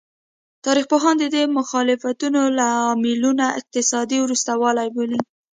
تاریخ پوهان د دې مخالفتونو لاملونه اقتصادي وروسته والی بولي.